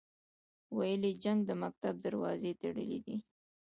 ویل یې جنګ د مکتب دروازې تړلې وې.